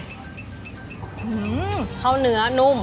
ข้าวเนื้อนุ่ม